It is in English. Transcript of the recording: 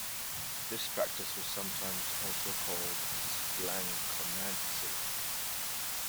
This practice was sometimes also called splanchomancy.